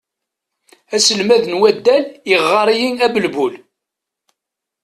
Aselmad n waddal iɣɣar-iyi abelbul.